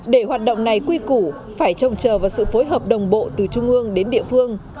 để hoạt động này quy củ phải trông chờ vào sự phối hợp đồng bộ từ trung ương đến địa phương